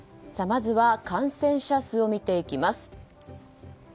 まずは感染者数を見ていきます。